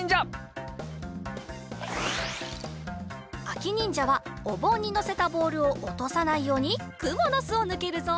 あきにんじゃはおぼんにのせたボールをおとさないようにくもの巣をぬけるぞ。